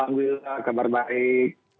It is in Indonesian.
alhamdulillah kabar baik